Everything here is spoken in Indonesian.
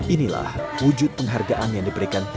inilah wujud penghargaan yang diberikan